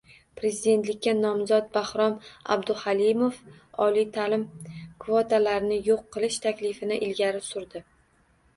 Prezidentlikka nomzod Bahrom Abduhalimov oliy ta’lim kvotalarini yo‘q qilish taklifini ilgari surdi